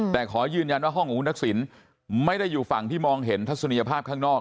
แต่ขอยืนยันว่าห้องของคุณทักษิณไม่ได้อยู่ฝั่งที่มองเห็นทัศนียภาพข้างนอก